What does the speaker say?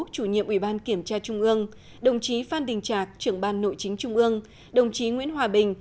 chủ nhiệm ủy ban kiểm tra trung ương đồng chí phan đình trạc trưởng ban nội chính trung ương đồng chí nguyễn hòa bình